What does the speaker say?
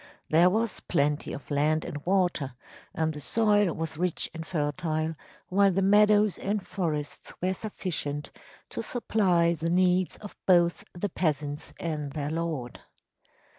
There was plenty of land and water and the soil was rich and fertile, while the meadows and forests were sufficient to supply the needs of both the peasants and their lord.